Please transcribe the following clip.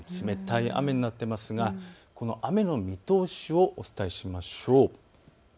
雨になっていますがこの雨の見通しをお伝えしましょう。